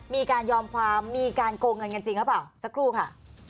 มีการยอมความมีการโกงเงินกันจริงหรือเปล่าสักครู่ค่ะ